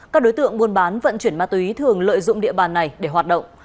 các đối tượng buôn bán vận chuyển ma túy thường lợi dụng địa bàn này để hoạt động